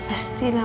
nama yang diberikan